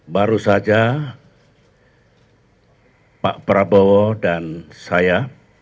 baru saja pak prabowo dan saya